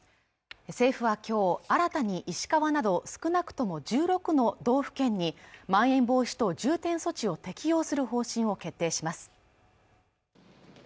政府はきょう新たに石川など少なくとも１６の道府県にまん延防止等重点措置を適用する方針を決定します